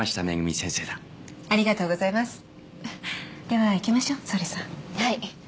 はい。